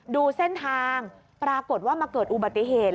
ดูเส้นทางปรากฏว่ามาเกิดอุบัติเหตุ